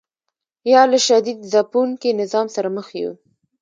یا له شدید ځپونکي نظام سره مخ یو.